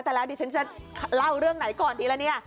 แต่แล้วดิฉันจะเล่าเรื่องไหนก่อนทีละเนี่ย